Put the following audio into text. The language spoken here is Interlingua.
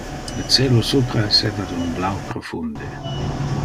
Le celo supra esseva de un blau profunde.